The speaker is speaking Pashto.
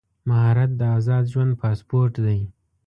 مهارت د ازاد ژوند پاسپورټ دی.